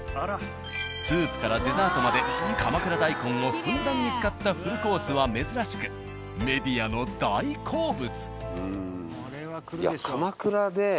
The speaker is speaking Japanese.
スープからデザートまで鎌倉大根をふんだんに使ったフルコースは珍しくメディアの大好物。